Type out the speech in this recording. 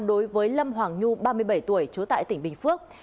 đối với lâm hoàng nhu ba mươi bảy tuổi trú tại tỉnh bình phước